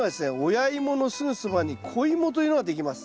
親イモのすぐそばに子イモというのができます。